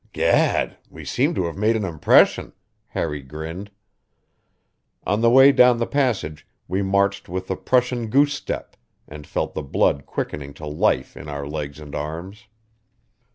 "Gad! We seem to have made an impression!" Harry grinned. On the way down the passage we marched with the Prussian goose step, and felt the blood quickening to life in our legs and arms.